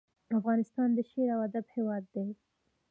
افغانستان د شعر او ادب هیواد دی